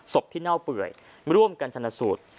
ศพที่เน่าเปื่อยร่วมกันชนสูตร